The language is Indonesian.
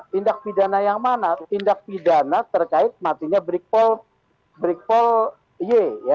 tindak pidana yang mana tindak pidana terkait matinya brikpol y